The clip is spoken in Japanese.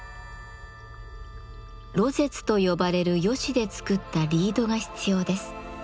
廬舌と呼ばれるヨシで作ったリードが必要です。